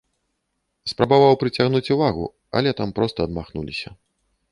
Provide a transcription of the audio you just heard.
Спрабаваў прыцягнуць увагу, але там проста адмахнуліся.